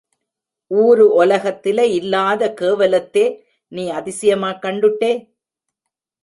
ஊரு ஒலகத்திலே இல்லாத கேவலத்தே நீ அதிசயமாக் கண்டுட்டே.